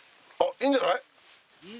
・いいんじゃない？